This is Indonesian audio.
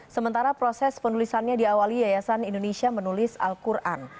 sementara proses penulisannya diawali yayasan indonesia menulis al quran